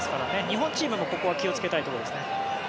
日本チームもここは気をつけたいところです。